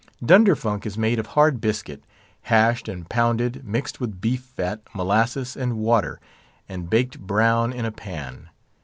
Dunderfunk is made of hard biscuit, hashed and pounded, mixed with beef fat, molasses, and water, and baked brown in a pan.